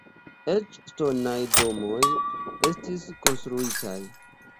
Eĉ ŝtonaj domoj estis konstruitaj.